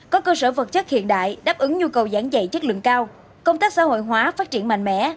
có cơ sở vật chất hiện đại đáp ứng nhu cầu giảng dạy chất lượng cao công tác xã hội hóa phát triển mạnh mẽ